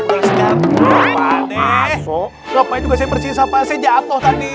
pak deh ngapain juga bersin sampah saya jatuh tadi